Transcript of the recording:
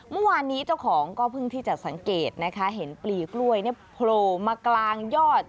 เมื่อวานนี้เจ้าของก็เพิ่งที่จะสังเกตนะคะเห็นปลีกล้วยโผล่มากลางยอด